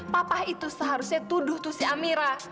papa itu seharusnya tuduh tuh si amira